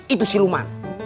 itu si luma